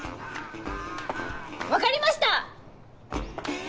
分かりました！